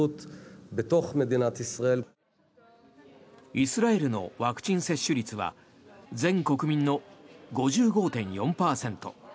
イスラエルのワクチン接種率は全国民の５５．４％。